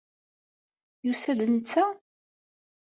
Yusa-d netta?